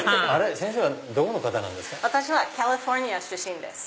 先生はどこの方なんですか？